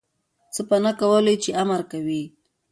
څه په نه کولو چی امر کوی